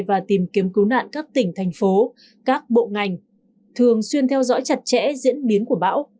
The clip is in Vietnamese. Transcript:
và tìm kiếm cứu nạn các tỉnh thành phố các bộ ngành thường xuyên theo dõi chặt chẽ diễn biến của bão